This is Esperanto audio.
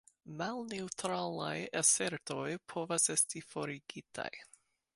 Malneŭtralaj asertoj povas esti forigitaj.